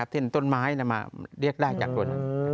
เช่นต้นไม้เรียกได้จากต้นไม้